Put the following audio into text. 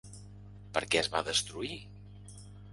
Per què es va destruir?